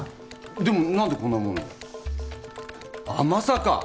でも何でこんなもの？あっまさか。